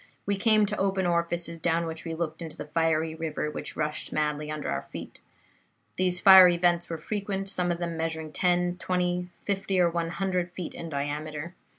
We came to open orifices down which we looked into the fiery river which rushed madly under our feet. These fiery vents were frequent, some of them measuring ten, twenty, fifty or one hundred feet in diameter.